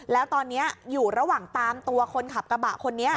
แล้วตอนนี้อยู่ระหว่างตามตัวคนขับกระบะคนนี้